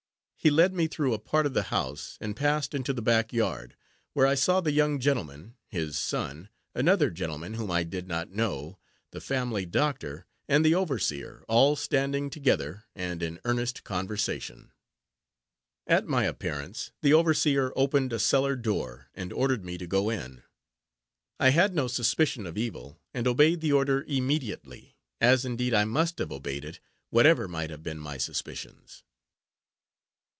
He led me through a part of the house, and passed into the back yard, where I saw the young gentleman, his son, another gentleman whom I did not know, the family doctor, and the overseer, all standing together, and in earnest conversation. At my appearance, the overseer opened a cellar door, and ordered me to go in. I had no suspicion of evil, and obeyed the order immediately: as, indeed, I must have obeyed it, whatever might have been my suspicions.